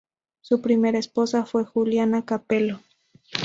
Su primera esposa fue Juliana Capelo.